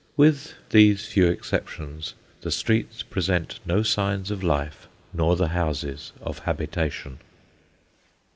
With these few exceptions, the streets present no signs of life, nor the houses of habitation.